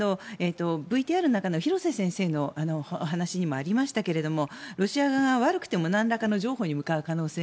ただ、ＶＴＲの中の廣瀬先生のお話にもありましたがロシア側が悪くてもなんらかの情報に向かう可能性